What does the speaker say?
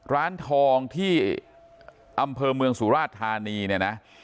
ร้านทองที่อำเภอเมืองสุราชธานีเนี่ยนะ